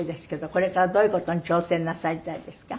これからどういう事に挑戦なさりたいですか？